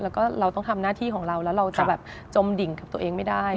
แล้วก็เราต้องทำหน้าที่ของเราแล้วเราจะแบบจมดิ่งกับตัวเองไม่ได้